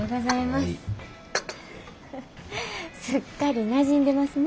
すっかりなじんでますね。